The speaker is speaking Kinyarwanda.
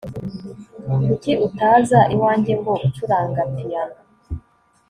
kuki utaza iwanjye ngo ucuranga piyano